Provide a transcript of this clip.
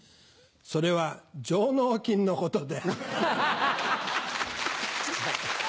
「それは上納金のことである」。